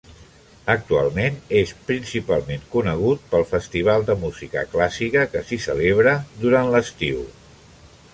Actualment, és principalment conegut pel festival de música clàssica que s'hi celebra durant l'estiu.